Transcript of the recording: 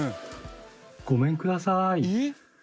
ごめんください。